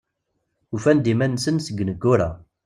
Ufan-d iman-nsen seg yineggura.